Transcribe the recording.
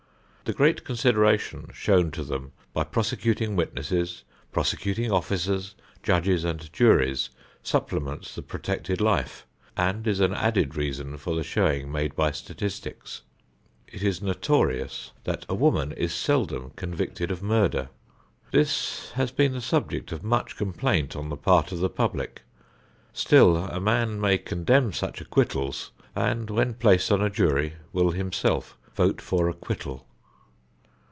The great consideration shown to them by prosecuting witnesses, prosecuting officers, judges and juries, supplements the protected life and is an added reason for the showing made by statistics. It is notorious that a woman is seldom convicted of murder. This has been the subject of much complaint on the part of the public; still a man may condemn such acquittals and when placed on a jury will himself vote for acquittal.